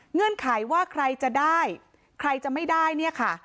เงื่อนไขว่าใครจะได้ใครจะไม่ได้เนี่ยค่ะ